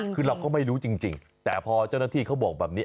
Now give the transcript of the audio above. คือเราก็ไม่รู้จริงแต่พอเจ้าหน้าที่เขาบอกแบบนี้